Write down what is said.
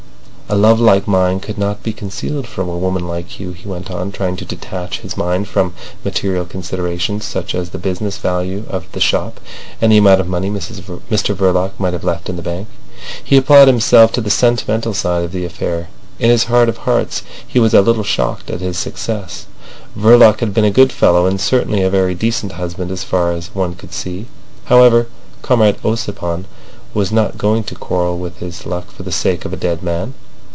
"A love like mine could not be concealed from a woman like you," he went on, trying to detach his mind from material considerations such as the business value of the shop, and the amount of money Mr Verloc might have left in the bank. He applied himself to the sentimental side of the affair. In his heart of hearts he was a little shocked at his success. Verloc had been a good fellow, and certainly a very decent husband as far as one could see. However, Comrade Ossipon was not going to quarrel with his luck for the sake of a dead man.